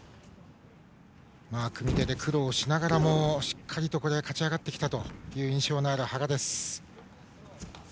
組み手で苦労しながらもしっかりと勝ち上がってきた印象のある羽賀です。